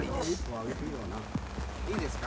いいですか？